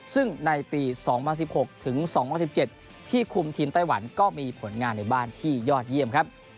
ซึ่งในปี๒๐๑๖ถึง๒๐๑๗ที่คุมทีมไต้หวันก็มีผลงานในบ้านที่ยอดเยี่ยมครับ